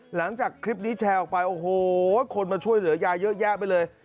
หลังจากคลิปนี้แชร์ออกไปโอ้โหคนมาช่วยเหลือยายเยอะแยะไปเลย